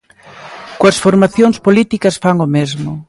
Coas formacións políticas fan o mesmo.